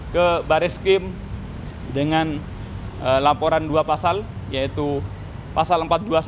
ke baris krim dengan laporan dua pasal yaitu pasal empat ratus dua puluh satu